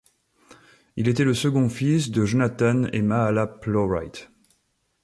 Il était le second fils de Jonathan et Mahala Plowright.